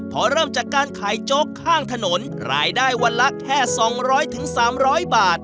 พอเริ่มจากการขายโจ๊กข้างถนนรายได้วันละแค่๒๐๐๓๐๐บาท